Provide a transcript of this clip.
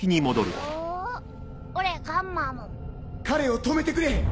彼を止めてくれ！